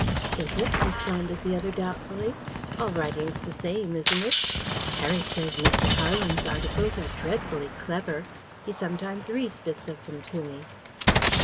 "Is it?" responded the other doubtfully. "All writing is the same, isn't it? Harry says Mr. Harland's articles are dreadfully clever. He sometimes reads bits of them to me."